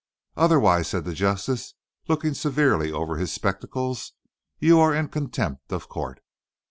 "Otherwise," said the Justice, looking severely over his spectacles, "you air in contempt of co't."